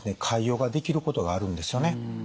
潰瘍が出来ることがあるんですよね。